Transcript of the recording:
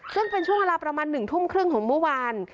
ซึ่งเป็นช่วงเวลาประมาณ๑ทุ่มครึ่งของเมื่อวาน